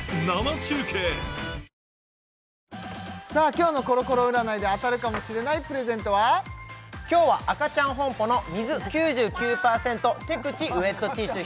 今日のコロコロ占いで当たるかもしれないプレゼントは今日はアカチャンホンポの水９９％手口ウェットティッシュ